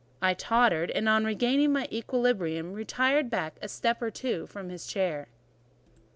I tottered, and on regaining my equilibrium retired back a step or two from his chair.